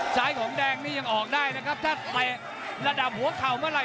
ของแดงนี่ยังออกได้นะครับถ้าเตะระดับหัวเข่าเมื่อไห